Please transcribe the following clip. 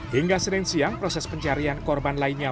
hingga senin siang proses pencarian korban lainnya